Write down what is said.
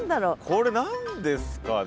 これ何ですかね？